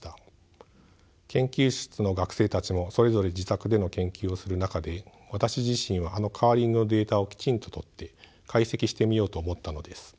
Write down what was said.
研究室の学生たちもそれぞれ自宅での研究をする中で私自身はあのカーリングのデータをきちんと取って解析してみようと思ったのです。